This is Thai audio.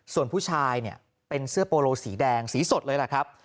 ส่วนผู้ชายเนี่ยเป็นเสื้อโปโลสีแดงสีสดเลยล่ะครับ